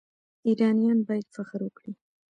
ایرانیان باید فخر وکړي.